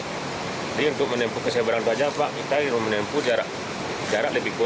jadi untuk menempuh kesebaran baja pak kita